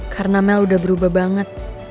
karena mel udah berubah banget